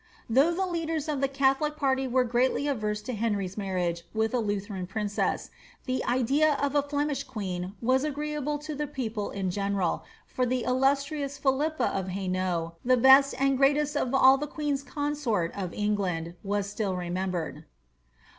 * Though the leaders of the catholic party were greatly averse to Henry's marriage with a Lutheran princess, the idea of a Flemish queen was agreeable to the people in general, for the illustrious Fhilippa of Hainault, the best and greatest of all the queens consort of England, was still remembered.